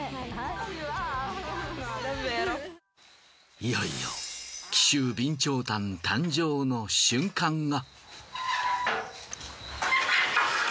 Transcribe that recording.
いよいよ紀州備長炭誕生の瞬間が。